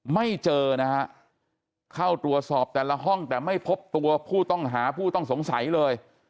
ไม่เจอนะฮะเข้าตรวจสอบแต่ละห้องแต่ไม่พบตัวผู้ต้องหาผู้ต้องสงสัยเลย